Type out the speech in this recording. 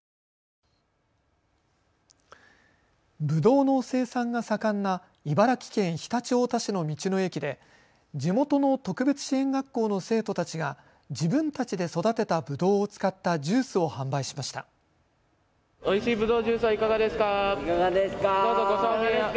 ぶどうの生産が盛んな茨城県常陸太田市の道の駅で地元の特別支援学校の生徒たちが自分たちで育てたぶどうを使ったジュースを販売しました。